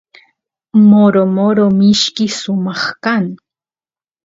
moro moro mishki sumaq kan